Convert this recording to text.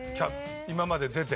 今まで出て。